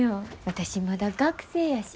私まだ学生やし。